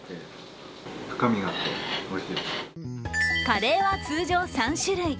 カレーは通常３種類。